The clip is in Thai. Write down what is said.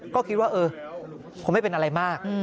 ก็คิดว่าเออคงไม่เป็นอะไรมาก